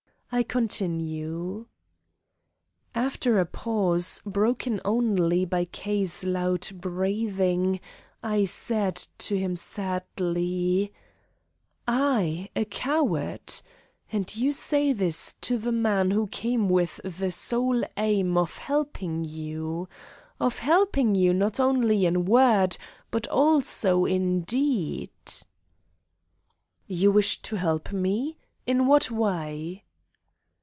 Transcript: I continue. After a pause, broken only by K.'s loud breathing, I said to him sadly: "I a coward! And you say this to the man who came with the sole aim of helping you? Of helping you not only in word but also in deed?" "You wish to help me? In what way?"